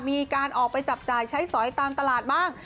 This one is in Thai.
มีการออกไปจับจ่ายใช้สอยตามตลาดบ้าง